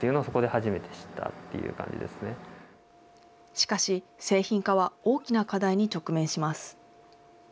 しかし、製品化は大きな課題に直面します。